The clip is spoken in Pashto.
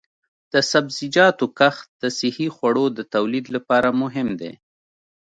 د سبزیجاتو کښت د صحي خوړو د تولید لپاره مهم دی.